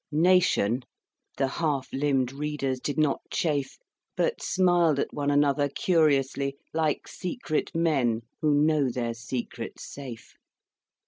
Nation? The half limbed readers did not chafe But smiled at one another curiously Like secret men who know their secret safe.